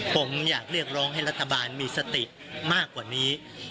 ผมอยากเรียกร้องให้รัฐบาลมีสติมากกว่านี้